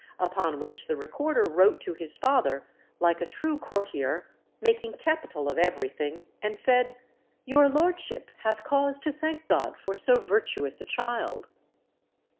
Upon which the Recorder wrote to his father, like a true courtier, making capital of everything, and said, "Your lordship hath cause to thank God for so virtuous a child."